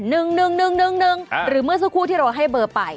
หรือเมื่อสักครู่ที่เราให้เบอร์ไป